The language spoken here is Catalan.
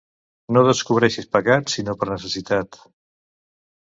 No descobreixis pecat sinó per necessitat.